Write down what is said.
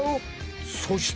そして。